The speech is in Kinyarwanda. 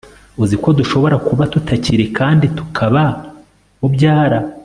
Uzi ko dushobora kuba tutakiri kandi tukaba mubyara